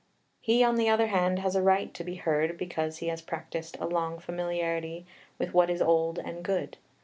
He, on the other hand, has a right to be heard because he has practised a long familiarity with what is old and good.